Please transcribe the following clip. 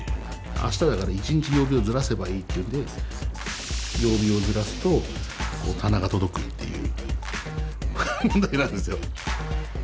「あした」だから１日曜日をずらせばいいっていうんで曜日をずらすとこう「棚」が届くっていう問題なんですよ。